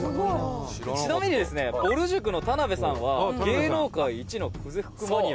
「ちなみにですねぼる塾の田辺さんは芸能界一の久世福マニア」